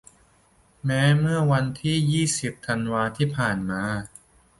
แม้เมื่อวันที่ ยี่สิบ ธันวาที่ผ่านมา